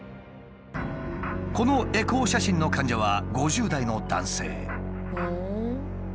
このエコー写真の患者は５０代の男性。